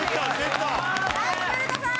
ナイス古田さん！